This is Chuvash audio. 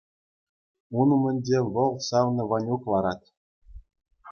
Ун умӗнче вӑл савнӑ Ванюк ларать.